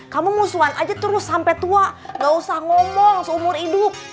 kamu musuhan aja terus sampai tua gak usah ngomong seumur hidup